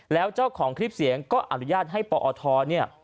แล้วเจ้าของคลิปเสียงก็อนุญาตให้ปอทเนี่ย